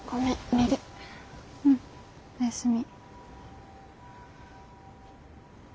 うんおやすみ。